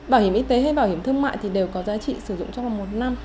bảo hiểm y tế hay bảo hiểm thương mại thì đều có giá trị sử dụng trong vòng một năm